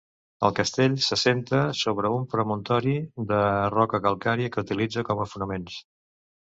El castell s'assenta sobre un promontori de roca calcària que utilitza com a fonaments.